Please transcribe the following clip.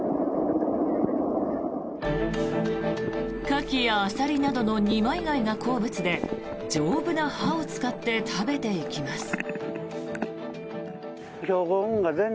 カキやアサリなどの二枚貝が好物で丈夫な歯を使って食べていきます。